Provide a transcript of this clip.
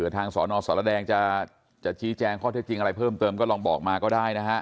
ทางสนสารแดงจะชี้แจงข้อเท็จจริงอะไรเพิ่มเติมก็ลองบอกมาก็ได้นะฮะ